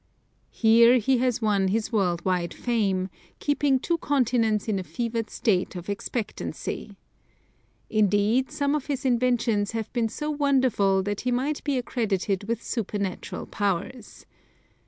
Here he has won his world wide fame, keeping two continents in a fevered state of expectancy. Indeed, some of his inventions have been so wonderful that he might be accredited with supernatural powers.